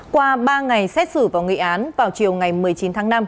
qua ba ngày xét xử và nghị án vào chiều ngày một mươi chín tháng năm